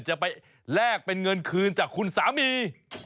จะไปแลกเป็นเงินคืนจากคุณสามี